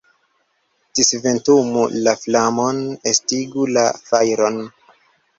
Disventumu la flamon, estingu la fajron!